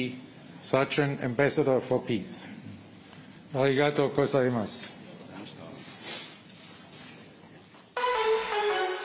ありがとうございます。